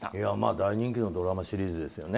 大人気のドラマシリーズですよね。